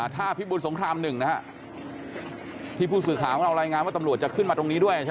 ท่าพิบุญสงครามหนึ่งนะฮะที่ผู้สื่อข่าวของเรารายงานว่าตำรวจจะขึ้นมาตรงนี้ด้วยใช่ไหม